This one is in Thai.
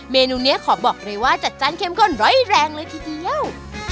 เมนูนี้ขอบอกเลยว่าจัดจ้านเข้มข้นร้อยแรงเลยทีเดียว